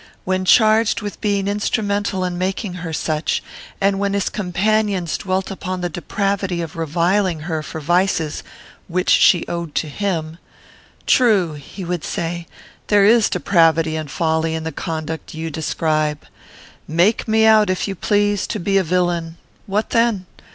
When charged with being instrumental in making her such, and when his companions dwelt upon the depravity of reviling her for vices which she owed to him, 'True,' he would say, 'there is depravity and folly in the conduct you describe. Make me out, if you please, to be a villain. What then?